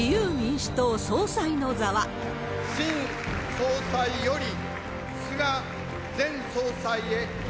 新総裁より、菅前総裁へ。